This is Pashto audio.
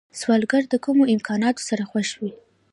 سوالګر د کمو امکاناتو سره خوښ وي